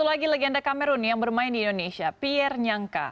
satu lagi legenda kamerun yang bermain di indonesia pier nyangka